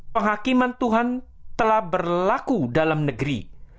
penghakiman tuhan telah berlaku dalam negeri